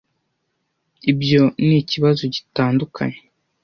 Ibyo nikibazo gitandukanye.